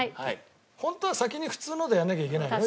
本当は先に普通のでやらなきゃいけないんだよ